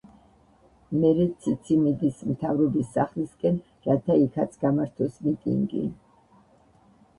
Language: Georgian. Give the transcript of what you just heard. მერე ციცი მიდის მთავრობის სახლისკენ, რათა იქაც გამართოს მიტინგი.